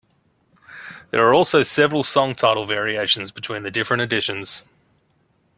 There are also several song title variations between the different editions.